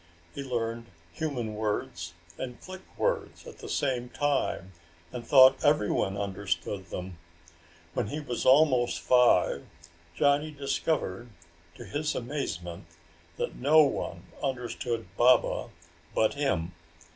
He learned human words and click words at the same time, and thought everyone understood them. When he was almost five, Johnny discovered to his amazement that no one understood Baba but him.